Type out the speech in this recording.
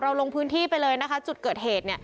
ลงพื้นที่ไปเลยนะคะจุดเกิดเหตุ